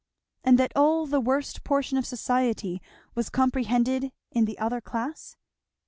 and that all the worst portion of society was comprehended in the other class?